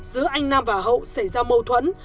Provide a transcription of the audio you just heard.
giữa anh nam và hậu xảy ra mâu thuẫn